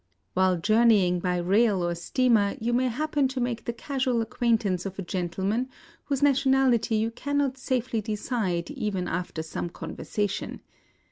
While jour neying by rail or steamer you may happen to make the casual acquaintance of a gentleman whose nationality you cannot safely decide even after some conversation.